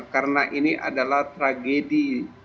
karena ini adalah tragedi